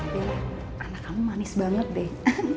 bella anak kamu manis banget deh